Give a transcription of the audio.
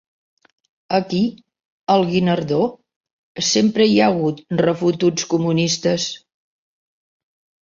Aquí, al Guinardó, sempre hi ha hagut refotuts comunistes.